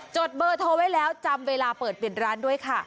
ดเบอร์โทรไว้แล้วจำเวลาเปิดปิดร้านด้วยค่ะ